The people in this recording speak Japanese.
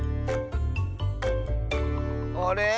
あれ？